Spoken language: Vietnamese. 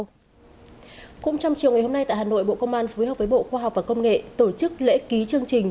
cũng trong chiều ngày hôm nay tại hà nội bộ công an phối hợp với bộ khoa học và công nghệ tổ chức lễ ký chương trình